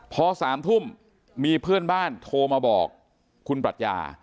พอ๓ทุ่มมีเพื่อนบ้านโทรมาบอกคุณปรัชญา